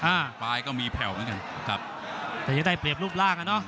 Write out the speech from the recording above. อ่าปลายก็มีแผ่วเหมือนกันครับแต่จะได้เปรียบรูปร่างอ่ะเนอะ